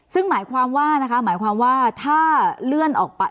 ซึ่งหมายความว่านะคะหมายความว่าถ้าเลื่อนออกไป